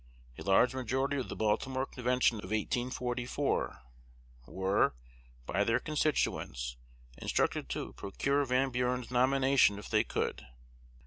A large majority of the Baltimore Convention of 1844 were, by their constituents, instructed to procure Van Buren's nomination if they could.